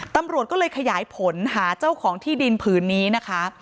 ตำรวจก็เลยขยายผลหาเจ้าของที่ดินผืนนี้นะคะ